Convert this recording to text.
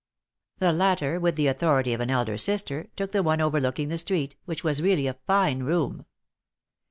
The latter, with the authority of an elder sister, took the one overlooking the street, which was really a fine room.